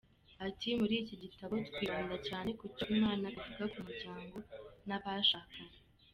Ati “Muri iki gitabo twibanda cyane ku cyo Imana ivuga ku muryango n’abashakanye.